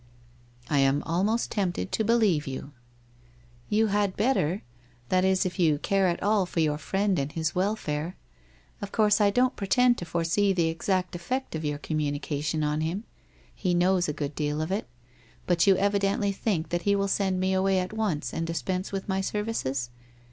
...* I am almost tempted to believe you !'* You had better, that is if you care at all for your friend and his welfare. Of course I don't pretend to fore see the exact effect of your communication on him — he knows a good deal of it — but you evidently think that he will send me away at once and dispense with my services?